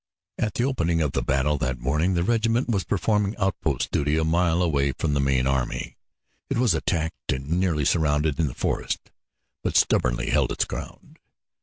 At the opening of the battle that morning the regiment was performing outpost duty a mile away from the main army. It was attacked and nearly surrounded in the forest, but stubbornly held its ground.